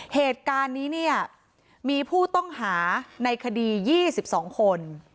เหตุการณ์นี้เนี่ยมีผู้ต้องหาในคดี๒๒คน